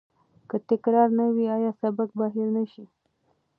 که تکرار نه وي، آیا سبق به هیر نه سی؟